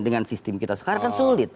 dengan sistem kita sekarang kan sulit